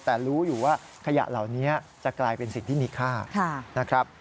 แต่รู้อยู่ว่าขยะเหล่านี้จะกลายเป็นสิ่งที่มีค่านะครับ